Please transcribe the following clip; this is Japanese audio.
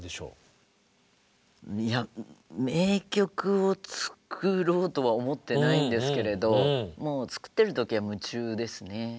いや名曲を作ろうとは思ってないんですけれど作ってる時は夢中ですね。